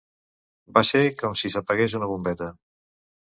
Va ser com si s'apagués una bombeta.